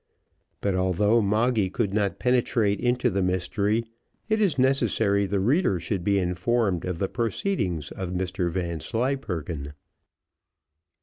But although Moggy could not penetrate into the mystery, it is necessary the reader should be informed of the proceedings of Mr Vanslyperken.